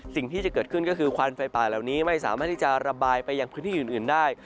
สิ่งที่จะเกิดขึ้นก็คือควันไฟป่าเหล่านี้ไม่สามารถที่จะระบายไปยังพื้นที่อื่นได้